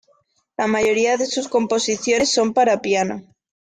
La mayoría de sus composiciones son para piano.